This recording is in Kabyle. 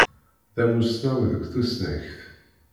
D amussnaw deg tussnakt.